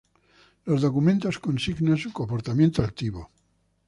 Los documentos consignan su comportamiento altivo.